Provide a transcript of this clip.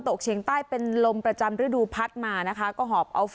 โดยการติดต่อไปก็จะเกิดขึ้นการติดต่อไป